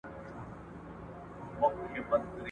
زندانونه به ماتيږي ,